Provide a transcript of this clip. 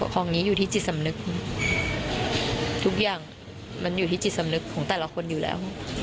ของนี้อยู่ที่จิตสำนึกทุกอย่างมันอยู่ที่จิตสำนึกของแต่ละคนอยู่แล้ว